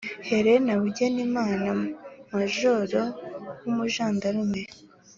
helena bugenimana, majoro w'umujandarume,